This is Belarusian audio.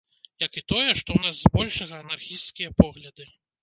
Як і тое, што ў нас збольшага анархісцкія погляды.